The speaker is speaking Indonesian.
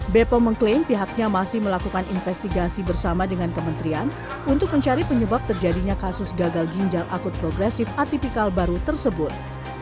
bepom mengklaim pihaknya masih melakukan investigasi bersama dengan kementerian untuk mencari penyebab terjadinya kasus gagal ginjal akut progresif atipikal baru tersebut